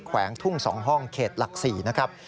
แวงทุ่ง๒ห้องเขตหลัก๔นะครับ